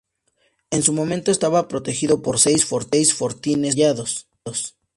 En su momento estaba protegido por seis fortines artillados.